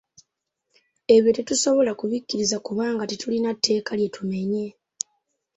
Ebyo tetusobola kubikkiriza kubanga tetulina tteeka lye tumenye.